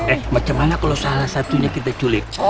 eh bagaimana kalau salah satunya kita culik